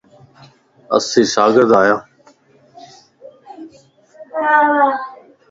اسين شاگرد ايان